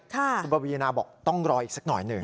คุณปวีนาบอกต้องรออีกสักหน่อยหนึ่ง